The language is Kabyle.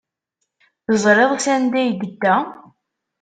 Teẓriḍ sanda ay yedda?